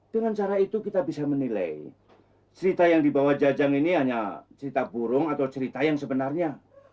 dengan cara itu kita bisa menilai cerita yang dibawa jajang ini hanya cerita burung atau cerita yang sebenarnya